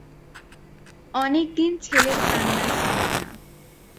অনেক দিন ছেলের কান্না শুনি না।